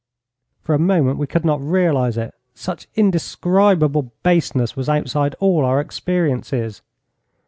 For a moment we could not realize it. Such incredible baseness was outside all our experiences.